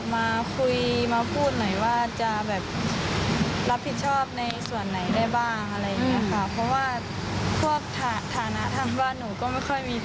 แม่ก็ต้องพาเทียวไปโรงพยาบาลแม่ก็แทบไม่ได้ทำงานเลยค่ะ